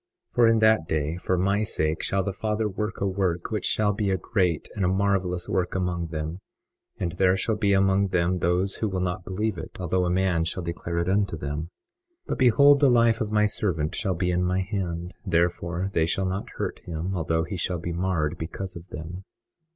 21:9 For in that day, for my sake shall the Father work a work, which shall be a great and a marvelous work among them; and there shall be among them those who will not believe it, although a man shall declare it unto them. 21:10 But behold, the life of my servant shall be in my hand; therefore they shall not hurt him, although he shall be marred because of them.